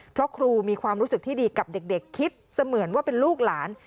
เพราะครูมีความรู้สึกที่ดีกับเด็กคิดเสมือนว่าเป็นลูกหลาน